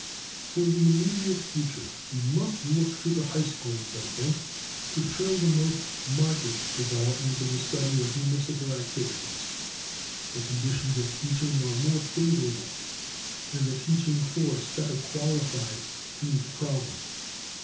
For the immediate future we must look to the high schools, I think, to show the most marked development in the study of municipal activities. The conditions of teaching are more favorable and the teaching force better qualified to meet the problem.